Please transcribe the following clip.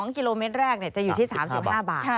๒กิโลเมตรแรกจะอยู่ที่๓๕บาท